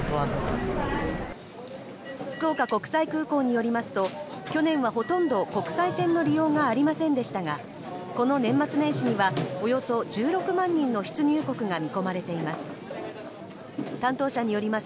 福岡国際空港によりますと去年はほとんど国際線の利用がありませんでしたがこの年末年始にはおよそ１６万人の出入国が見込まれています。